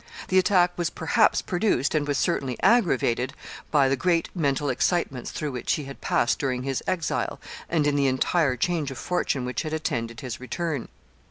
The attack was perhaps produced, and was certainly aggravated by, the great mental excitements through which he had passed during his exile, and in the entire change of fortune which had attended his return.